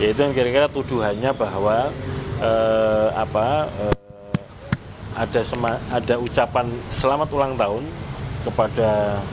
itu yang kira kira tuduhannya bahwa ada ucapan selamat ulang tahun kepada